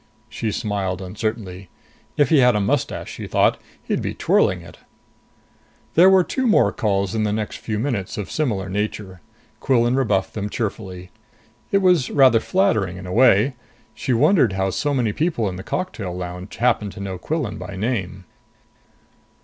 She smiled uncertainly. If he had a mustache, she thought, he'd be twirling it. There were two more calls in the next few minutes, of similar nature. Quillan rebuffed them cheerfully. It was rather flattering in a way. She wondered how so many people in the cocktail lounge happened to know Quillan by name.